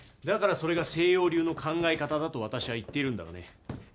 だからそれが西洋流の考え方だと私は言っているんだがね。